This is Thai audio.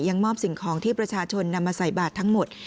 มอบสิ่งของที่ประชาชนนำมาใส่บาททั้งหมด